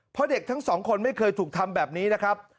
เพราะเด็กทั้งสองคนไม่เคยถูกทำแบบนี้นะครับ